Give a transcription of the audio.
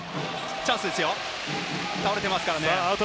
チャンスですよ、倒れていますからね。